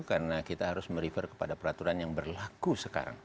karena kita harus merefer kepada peraturan yang berlaku sekarang